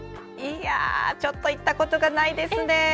ちょっと行ったことがないですね。